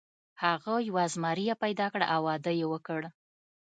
هغه یوه زمریه پیدا کړه او واده یې وکړ.